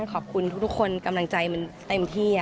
ขอบคุณทุกคนกำลังใจมันเต็มที่